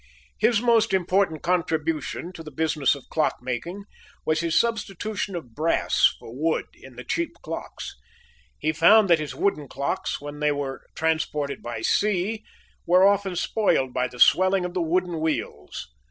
His most important contribution to the business of clock making was his substitution of brass for wood in the cheap clocks. He found that his wooden clocks, when they were transported by sea, were often spoiled by the swelling of the wooden wheels.